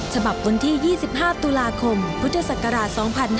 ฉบับวันที่๒๕ตุลาคมพุทธศักราช๒๕๕๙